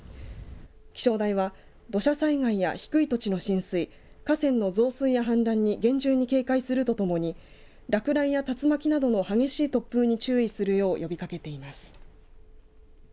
気象台は土砂災害や低い土地の浸水河川の増水や氾濫に厳重に警戒するとともに落雷や竜巻などの激しい突風に注意するよう呼びかけています。